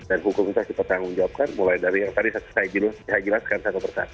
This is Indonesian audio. dan hukum itu harus kita tanggung jawabkan mulai dari yang tadi saya jelaskan saya coba berkata